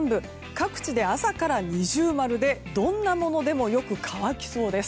各地で朝から二重丸でどんなものでもよく乾きそうです。